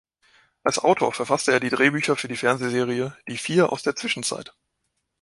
Als Autor verfasste er Drehbücher für die Fernsehserie "Die Vier aus der Zwischenzeit".